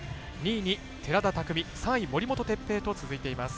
２位、寺田３位、森本哲平と続いています。